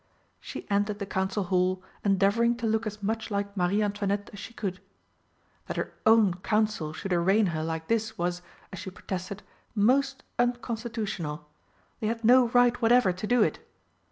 She entered the Council Hall endeavouring to look as much like Marie Antoinette as she could. That her own Council should arraign her like this was, as she protested, most unconstitutional they had no right whatever to do it.